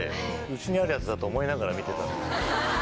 うちにあるやつだと思いながら見てたんですけど。